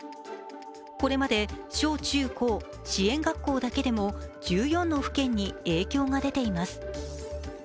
これまで小中高・支援学校だけでも１４の府県に影響が出ています。